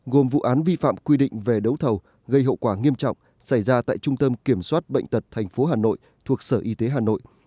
gồm vụ án vi phạm quy định về đấu thầu gây hậu quả nghiêm trọng xảy ra tại trung tâm kiểm soát bệnh tật tp hà nội thuộc sở y tế hà nội